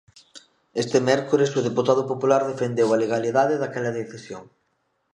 Este mércores o deputado popular defendeu a "legalidade" daquela decisión.